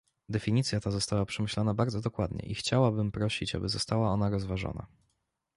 Definicja ta została przemyślana bardzo dokładnie i chciałabym prosić, aby została ona rozważona